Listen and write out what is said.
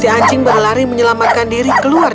si anjing berlari menyelamatkan diri keluar